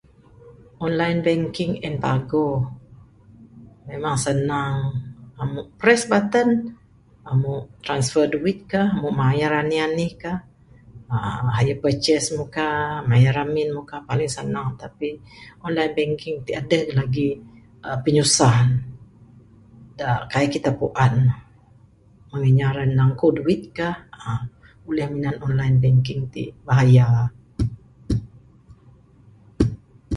Online banking en paguh memang senang, press button amu transfer duit ka amu mayar anih anih ka aaa ahi purchase mu ka. Mayar ramin mu ka paling sanang tapi online banking ti adeh lagih pinyusah ne kaik kita puan ne. Meng inya ra nangku duit ka aaa buleh minan online banking ti bahaya.